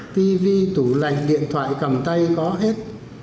tv tủ lạnh điện thoại cầm tay có hết